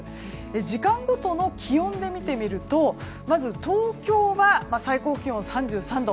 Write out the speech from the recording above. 時間ごとの気温で見てみるとまず、東京は最高気温３３度。